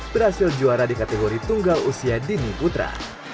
berhasil juara di kategori tunggal usia dini putra